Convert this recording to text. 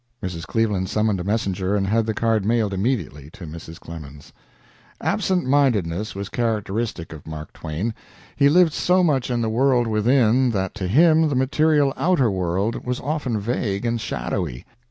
Mrs. Cleveland summoned a messenger and had the card mailed immediately to Mrs. Clemens. Absent mindedness was characteristic of Mark Twain. He lived so much in the world within that to him the material outer world was often vague and shadowy.